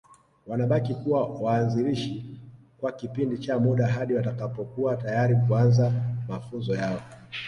Wanabaki kuwa waanzilishi kwa kipindi cha muda hadi watakapokuwa tayari kuanza mafunzo yao